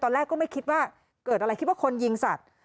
ตอนแรกก็ไม่คิดว่าเกิดอะไรคิดว่าคนยิงสัตว์